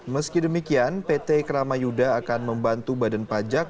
meski demikian pt kramayuda akan membantu badan pajak